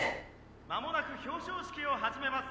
「間もなく表彰式を始めます。